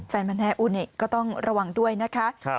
แฟนมันแท้อูนิก็ต้องระวังด้วยนะคะ